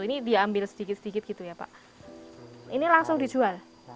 ini diambil sedikit sedikit gitu ya pak